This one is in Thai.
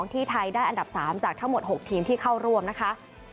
ที่ไทยได้อันดับ๓จากทั้งหมด๖ทีมที่เข้าร่วมนะคะ